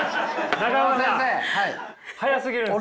中岡さん早すぎるんすよ。